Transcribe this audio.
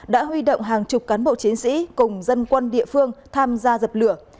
đã huy động hàng chục cán bộ chiến sĩ cùng dân quân địa phương tham gia dập lửa